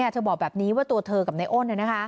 เธอบอกแบบนี้ว่าตัวเธอกับนายอ้น